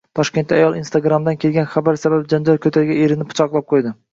Toshkentda ayol Instagram’dan kelgan xabar sabab janjal ko‘targan erini pichoqlab qo‘ydi